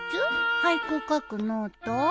俳句を書くノート？